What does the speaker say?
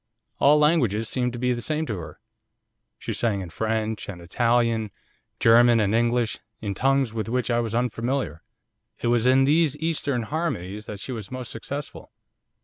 All languages seemed to be the same to her. She sang in French and Italian, German and English, in tongues with which I was unfamiliar. It was in these Eastern harmonies that she was most successful.